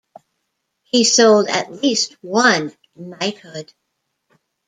He sold at least one "knighthood".